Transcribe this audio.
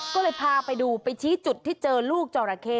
ก็เลยพาไปดูไปชี้จุดที่เจอลูกจอราเข้